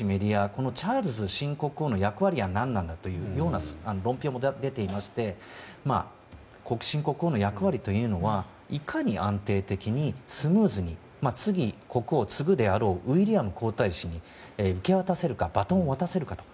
このチャールズ新国王の役割は何なんだという論評も出ていまして新国王の役割というのはいかに安定的にスムーズに次に国王を継ぐであろうウィリアム皇太子に受け渡せるかバトンを渡せるかと。